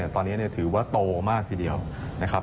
ตอนนี้ถือว่าโตมากทีเดียวนะครับ